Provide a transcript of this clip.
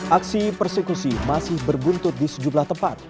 aksi persekusi masih berbuntut di sejumlah tempat